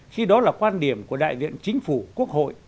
khi đó là quan điểm của đại diện chính phủ quốc hội